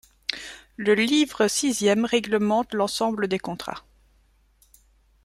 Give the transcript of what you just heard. Le livre sixième réglemente l'ensemble des contrats.